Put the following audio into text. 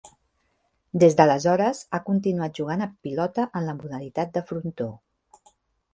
Des d'aleshores, ha continuat jugant a Pilota en la modalitat de Frontó.